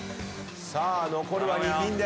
さあ残るは２ピンです。